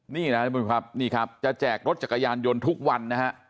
นี่นะท่านผู้ชมพิพัพจะแจกรถจักรยานยนต์ทุกวัน